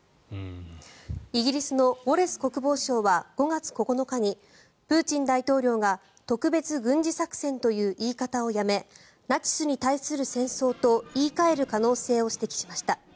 イギリスのウォレス国防相は５月９日にプーチン大統領が特別軍事作戦という言い方をやめナチスに対する戦争と言い換える可能性を指摘しました。